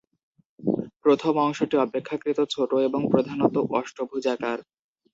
প্রথম অংশটি অপেক্ষাকৃত ছোট এবং প্রধানত অষ্টভুজাকার।